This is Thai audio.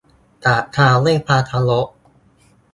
กราบเท้าด้วยความเคารพ